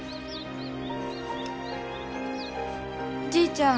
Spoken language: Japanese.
じいちゃん。